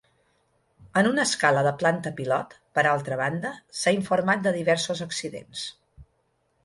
En una escala de planta pilot, per altra banda, s'ha informat de diversos accidents.